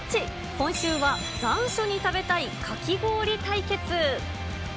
今週は残暑に食べたいかき氷対決。